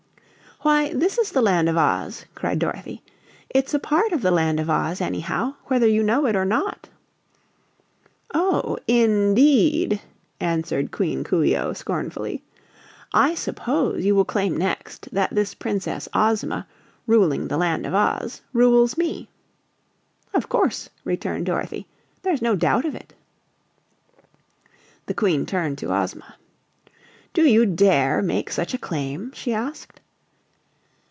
"Why, this is the Land of Oz!" cried Dorothy. "It's a part of the Land of Oz, anyhow, whether you know it or not." "Oh, in deed!" answered Queen Coo ee oh, scornfully. "I suppose you will claim next that this Princess Ozma, ruling the Land of Oz, rules me!" "Of course," returned Dorothy. "There's no doubt of it." The Queen turned to Ozma. "Do you dare make such a claim?" she asked.